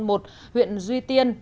huyện duy tiên